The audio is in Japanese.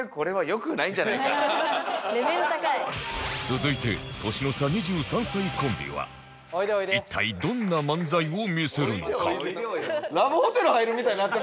続いて年の差２３歳コンビは一体どんな漫才を見せるのか？